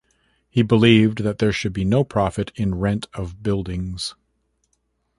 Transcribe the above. He believed that there should be no profit in rent of buildings.